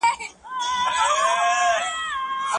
متقابل درناوی ملتونه یو موټی کوي.